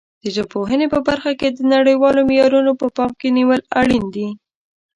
د ژبپوهنې په برخه کې د نړیوالو معیارونو په پام کې نیول اړین دي.